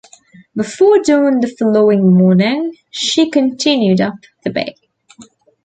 Before dawn the following morning, she continued up the bay.